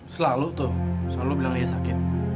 selalu tuh selalu bilang dia sakit